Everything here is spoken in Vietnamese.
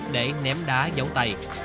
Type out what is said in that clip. để ném đá giấu tay